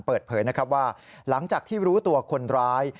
เปิดเผยนะครับว่าหลังจากที่รู้ตัวคนร้าย